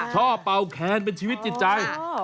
เป่าแคนเป็นชีวิตจิตใจ